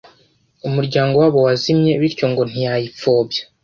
umuryango wabo wazimye bityo ngo ntiyayipfobya